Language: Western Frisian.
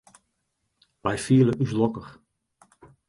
Wy fiele ús lokkich.